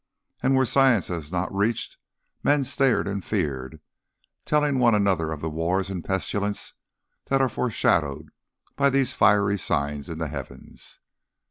And where science has not reached, men stared and feared, telling one another of the wars and pestilences that are foreshadowed by these fiery signs in the Heavens.